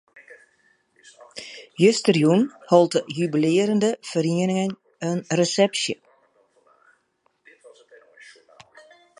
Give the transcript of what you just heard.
Justerjûn hold de jubilearjende feriening in resepsje.